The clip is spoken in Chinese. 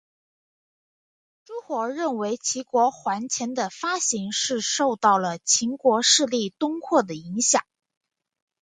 朱活认为齐国圜钱的发行是受到了秦国势力东扩的影响。